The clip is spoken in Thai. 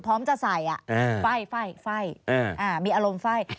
พร้อมจะใส่ไฟมีอารมณ์ไฟ่